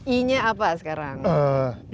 i nya apa sekarang